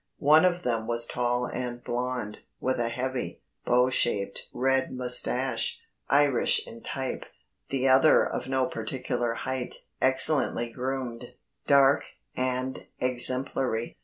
One of them was tall and blond, with a heavy, bow shaped red moustache Irish in type; the other of no particular height, excellently groomed, dark, and exemplary.